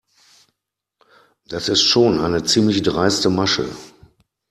Das ist schon eine ziemlich dreiste Masche.